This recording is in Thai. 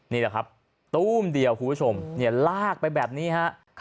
นี่แหละครับตู้มเดียวคุณผู้ชมลากไปแบบนี้ฮะ